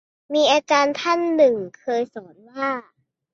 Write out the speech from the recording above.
มีอาจารย์ท่านหนึ่งเคยสอนว่า